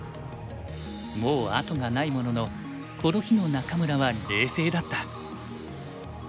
もう後がないもののこの日の仲邑は冷静だった。